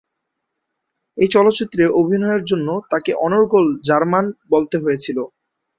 এই চলচ্চিত্রে অভিনয়ের জন্য তাকে অনর্গল জার্মান বলতে হয়েছিল।